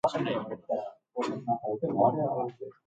Also here was a memorial to Schumann, which has since been torn down.